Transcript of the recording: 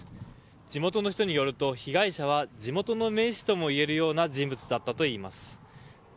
地元の人によると被害者は地元の名士ともいえるような人物だったといいます。